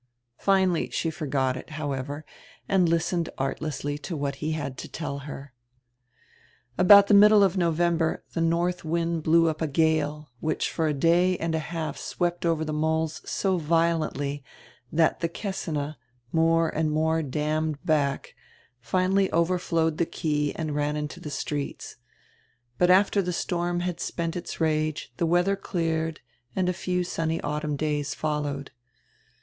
Finally she forgot it, however, and listened ardessly to what he had to tell her. About die middle of November die north wind blew up a gale, which for a day and a half swept over die moles so violendy that die Kessine, more and more dammed back, finally overflowed die quay and ran into die streets. But after die storm had spent its rage die weadier cleared and a few sunny autumn days followed.